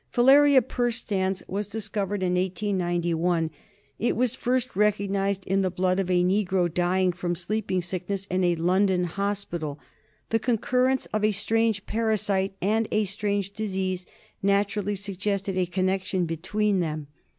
Filaria perstans was discovered in 1891. It was first recognised in the blood of a negro dying from Sleeping Sickness in a London hospital. The concurrence of a strange parasite and a strange disease naturally suggested a connection between them.